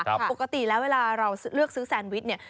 ปกติแล้วเวลาเราเลือกซื้อแซนวิชเนี่ย